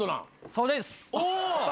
そうです。